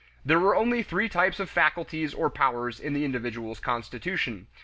There were only three types of faculties or powers in the individual's constitution.